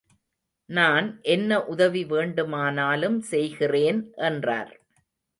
நான் என்ன உதவி வேண்டுமானாலும் செய்கிறேன் என்றார்.